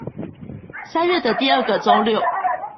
三月的第二個週六